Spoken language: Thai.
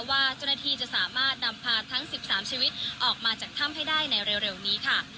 ว่าเจ้าหน้าที่จะสามารถนำพาทั้ง๑๓ชีวิตออกมาจากถ้ำให้ได้ในเร็วนี้ค่ะ